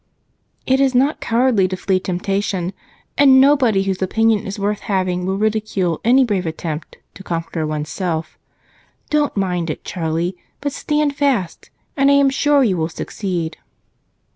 "It is not cowardly to flee temptation, and nobody whose opinion is worth having will ridicule any brave attempt to conquer one's self. Don't mind it, Charlie, but stand fast, and I am sure you will succeed."